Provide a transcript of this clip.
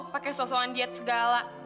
pakai sosokan diet segala